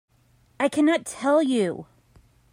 I cannot tell you.